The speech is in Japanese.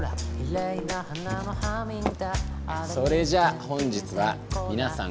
それじゃあ本日はみなさん